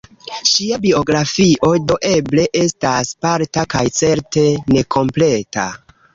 Ŝia biografio, do, eble estas parta kaj certe nekompleta.